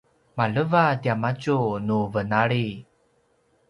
maleva tiamadju nu venali